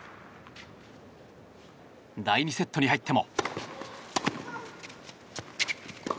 第２セットに入っても。